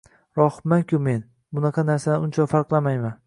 Rohibman-ku men, bunaqa narsalarni uncha farqlamayman.